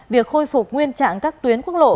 việc khôi phục nguyên trạng các tuyến quốc lộ